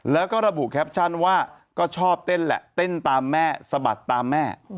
แล้วก็ระบุแคปชั่นว่าก็ชอบเต้นแหละเต้นตามแม่สะบัดตามแม่